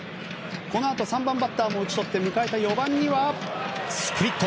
このあと３番バッターを打ち取って迎えた４番にはスプリット。